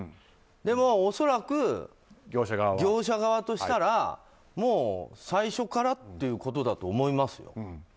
でも恐らく業者側としては最初からっていうことだと思いますよ。